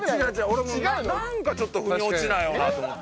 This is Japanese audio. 俺もなんかちょっと腑に落ちないよなと思って。